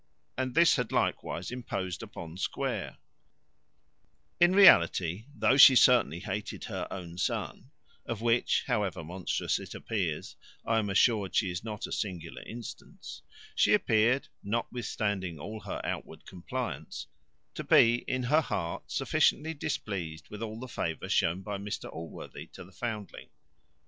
And this had likewise imposed upon Square. In reality, though she certainly hated her own son of which, however monstrous it appears, I am assured she is not a singular instance she appeared, notwithstanding all her outward compliance, to be in her heart sufficiently displeased with all the favour shown by Mr Allworthy to the foundling.